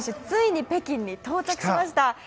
ついに北京に到着しました。